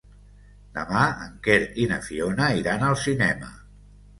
Demà en Quer i na Fiona iran al cinema.